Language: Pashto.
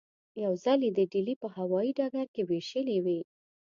یو ځل یې د ډیلي په هوايي ډګر کې وېشلې وې.